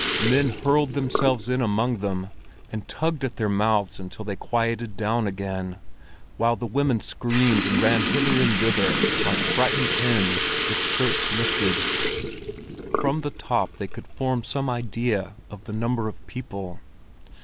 Men hurled themselves in among them, and tugged at their mouths until they quieted down again, while the women screamed and ran hither and thither like frightened hens, with skirts lifted. From the top they could form some idea of the number of people.